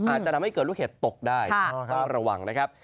อาจจะทำให้เกิดลูกเห็บตกได้ต้องระวังนะครับ